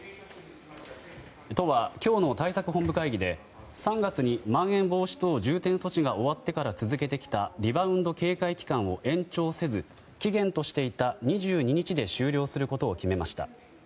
都は今日の対策本部会議で３月に、まん延防止等重点措置が終わってから続けてきたリバウンド警戒期間を延長せず期限としていた２２日で終了することを決めました。